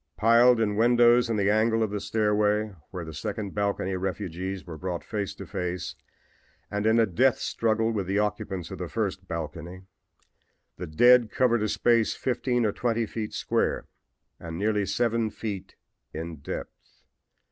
"Piled in windows in the angle of the stairway where the second balcony refugees were brought face to face and in a death struggle with the occupants of the first balcony, the dead covered a space fifteen or twenty feet square and nearly seven feet in depth.